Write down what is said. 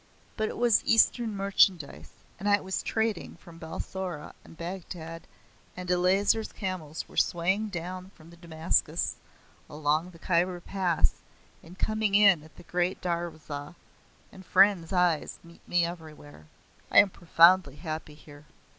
But it was Eastern merchandise, and I was trading from Balsora and Baghdad, and Eleazar's camels were swaying down from Damascus along the Khyber Pass, and coming in at the great Darwazah, and friends' eyes met me everywhere. I am profoundly happy here."